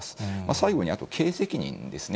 最後に、あと経営責任ですね。